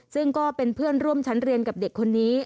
ซึ่งก็เป็นเพื่อนร่วมชั้นเรียนกับเด็กคนนี้